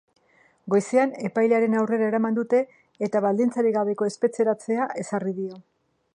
Goizean epailearen aurrera eraman dute, eta baldintzarik gabeko espetxeratzea ezarri dio.